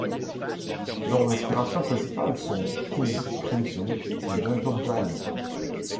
Leurs inspirations principales sont King Crimson et Gentle Giant.